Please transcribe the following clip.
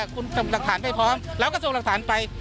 คุณส่งหลักฐานไปพร้อมแล้วก็ส่งหลักฐานไป